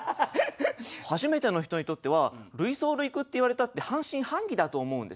初めての人にとっては類想類句って言われたって半信半疑だと思うんですよね。